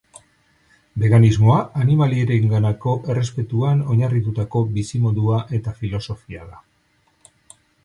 Beganismoa animaliarenganako errespetuan oinarritutako bizimodua eta filosofia da.